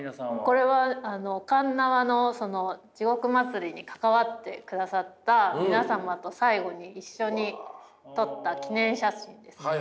これは鉄輪の地嶽祭に関わってくださった皆様と最後に一緒に撮った記念写真です。